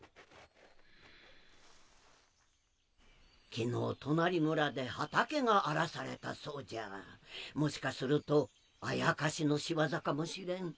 昨日隣村で畑が荒らされたそうじゃがもしかすると妖の仕業かもしれん。